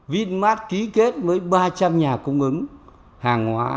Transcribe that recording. vinmart ký kết với ba trăm linh nhà cung ứng hàng hóa